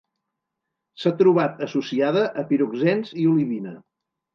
S'ha trobat associada a piroxens i olivina.